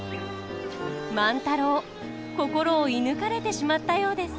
万太郎心を射ぬかれてしまったようです。